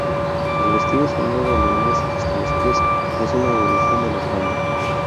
El vestido ceñido de lunares hasta los pies, es una evolución de la falda.